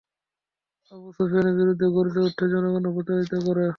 আবু সুফিয়ানের বিরুদ্ধে গর্জে উঠতে জনগণকে প্ররোচিত করে।